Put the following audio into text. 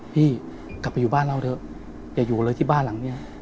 พี่กลับไปอยู่บ้านเราเถอะอย่าอยู่เลยที่บ้านหลังนี้